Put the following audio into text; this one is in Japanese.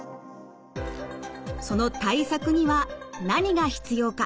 その対策には何が必要か。